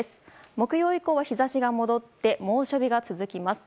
木曜日以降は日差しが戻って猛暑日が続きます。